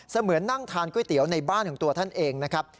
เหมือนนั่งทานก๋วยเตี๋ยวในบ้านของตัวท่านเองนะครับ